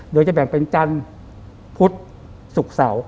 โดยจะแบ่งเป็นจันทร์พุทธสุขเสา